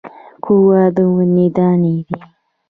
قهوه د ونې دانی دي